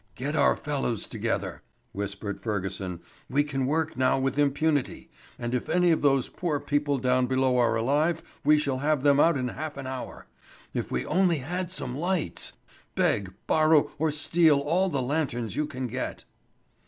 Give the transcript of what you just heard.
"Get our fellows together," whispered Fergusson. "We can work now with impunity; and if any of those poor people down below are alive, we shall have them out in half an hour. If we only had some lights! Beg, borrow, or steal all the lanterns you can get."